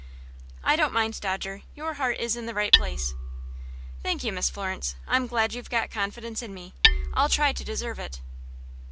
"I don't mind, Dodger; your heart is in the right place." "Thank you, Miss Florence. I'm glad you've got confidence in me. I'll try to deserve it."